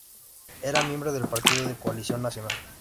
Era miembro del partido de coalición nacional.